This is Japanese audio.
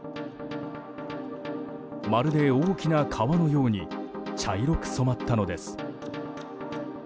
まるで大きな川のように茶色く染まったのです。